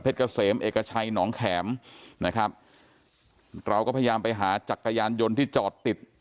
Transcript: เกษมเอกชัยหนองแข็มนะครับเราก็พยายามไปหาจักรยานยนต์ที่จอดติด